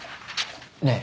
ねえ